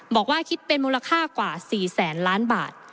บอกว่าคิดเป็นมูลค่ากว่า๔แสนล้านบาท